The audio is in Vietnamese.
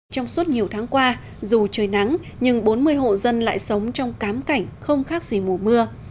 trong suốt nhiều tháng qua dù trời nắng nhưng bốn mươi hộ dân lại sống trong cám cảnh không khác gì mùa mưa